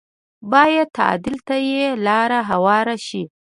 بايد تعديل ته یې لاره هواره شي